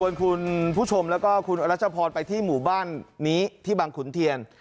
คุณผู้ชมแล้วก็คุณรัชพรไปที่หมู่บ้านนี้ที่บางขุนเทียน